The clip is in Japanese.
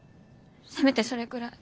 せめてそれくらい。